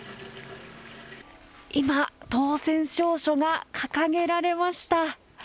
今、当選証書が掲げられました。